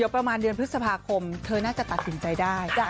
ประมาณเดือนพฤษภาคมเธอน่าจะตัดสินใจได้